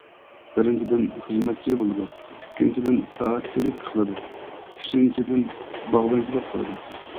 بىرىنچىدىن خىزمەتچى بولىدۇ، ئىككىنچىدىن سائەتچىلىك قىلىدۇ، ئۈچىنچىدىن باغۋەنچىلىك قىلىدۇ.